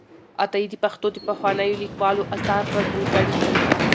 عطایي د پښتو د پخوانیو لیکوالو آثار راټول کړي دي.